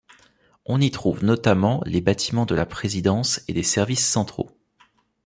On y trouve notamment les bâtiments de la présidence et des services centraux.